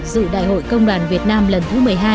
dự đại hội công đoàn việt nam lần thứ một mươi hai